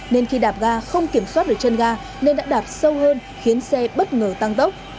nên khi đạp ga không kiểm soát được chân ga nên đã đạp sâu hơn khiến xe bất ngờ tăng tốc